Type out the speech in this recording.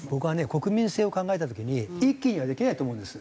国民性を考えた時に一気にはできないと思うんです。